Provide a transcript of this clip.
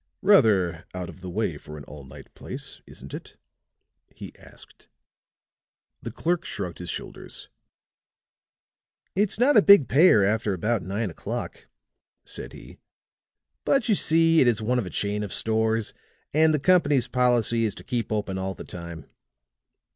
"Rather out of the way for an all night place, isn't it?" he asked The clerk shrugged his shoulders. "It's not a big payer after about nine o'clock," said he. "But you see, it is one of a chain of stores, and the company's policy is to keep open all the time."